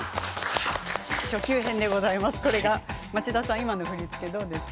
初級編でございました。